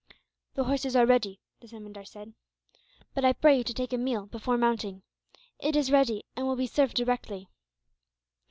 "The horses are ready," the zemindar said, "but I pray you to take a meal, before mounting. It is ready, and will be served directly."